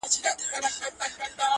نه محتاج د تاج او ګنج نه د سریر یم!!